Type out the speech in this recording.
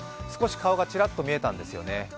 少し顔がちらっと見えたんですよね。